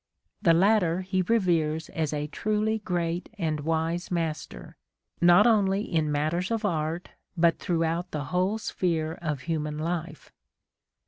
The latter he reveres as a truly great and wise master, not only in matters of art, but throughout the whole sphere of human life."